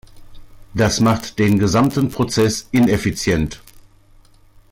Das macht den gesamten Prozess ineffizient.